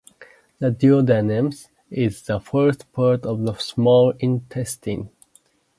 The duodenum is the first part of the small intestine.